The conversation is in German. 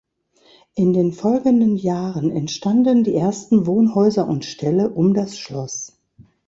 In den folgenden Jahren entstanden die ersten Wohnhäuser und Ställe um das Schloss.